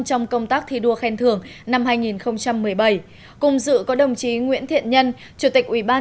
trong công tác thi đua khen thưởng năm hai nghìn một mươi bảy cùng dự có đồng chí nguyễn thiện nhân chủ tịch ủy ban